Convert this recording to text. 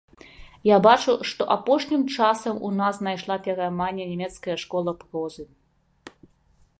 Я бачу, што апошнім часам у нас знайшла перайманне нямецкая школа прозы.